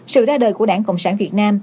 sự ra đời của đảng cộng sản việt nam